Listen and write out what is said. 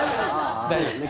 大丈夫ですから。